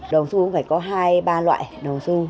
đồng xu cũng phải có hai ba loại đồng xu